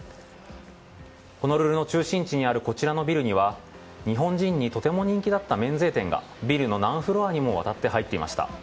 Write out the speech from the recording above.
ホノルルの中心地にあるこちらのビルには日本人にとても人気だった免税店がビルの何フロアにもわたって入っていました。